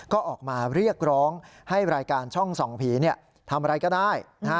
ก็ออกมาเรียกร้องให้รายการช่องส่องผีทำอะไรก็ได้